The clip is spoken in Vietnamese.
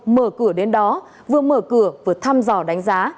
mở cửa đến đó vừa mở cửa vừa thăm dò đánh giá